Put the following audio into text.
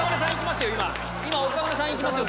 岡村さん行きますよ